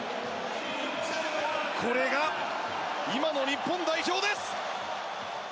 これが今の日本代表です。